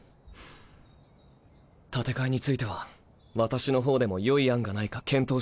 建て替えについては私の方でも良い案がないか検討してみる。